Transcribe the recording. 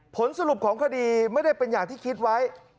ผลสรุปของคดีไม่ได้เป็นอย่างที่คิดไว้